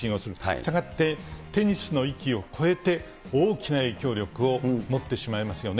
したがってテニスの域を超えて、大きな影響力を持ってしまいますよね。